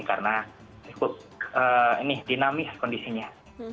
karena cukup dinamis kondisinya